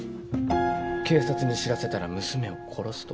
警察に知らせたら娘を殺すと。